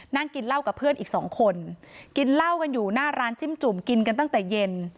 นั่งกินเหล้ากับเพื่อนอีกสองคนกินเหล้ากันอยู่หน้าร้านจิ้มจุ่มกินกันตั้งแต่เย็น